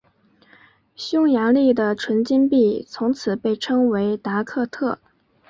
匈牙利的纯金币从此被称为达克特。